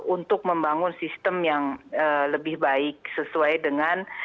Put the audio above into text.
untuk membangun sistem yang lebih baik sesuai dengan